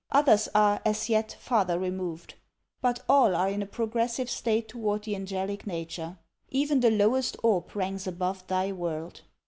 Others are, as yet, farther removed: but all are in a progressive state toward the angelic nature. Even the lowest orb ranks above thy world.'